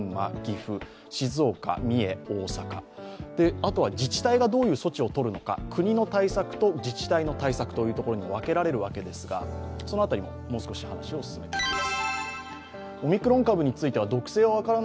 あとは自治体がどういう措置を取るのか、国の対策と自治体の対策に分けられるわけですが、その辺り、もう少し話を進めていきます。